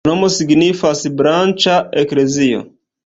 La nomo signifas branĉa-eklezio.